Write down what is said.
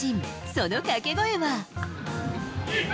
そのかけ声は。